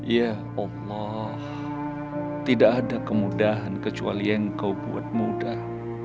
ya allah tidak ada kemudahan kecuali engkau buat mudah